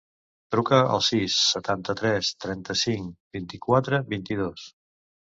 Truca al sis, setanta-tres, trenta-cinc, vint-i-quatre, vint-i-dos.